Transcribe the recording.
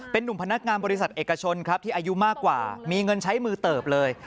เป็นนุ่มพนักงานบริษัทเอกชนครับที่อายุมากกว่ามีเงินใช้มือเติบเลย